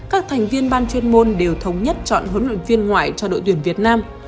các thành viên ban chuyên môn đều thống nhất chọn huấn luyện viên ngoại cho đội tuyển việt nam